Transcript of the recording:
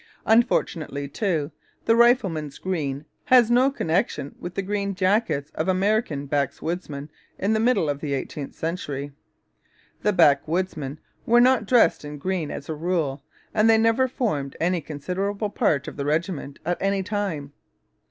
Unfortunately, too, the rifleman's green has no connection with the 'green jackets of American backwoodsmen in the middle of the eighteenth century.' The backwoodsmen were not dressed in green as a rule, and they never formed any considerable part of the regiment at any time.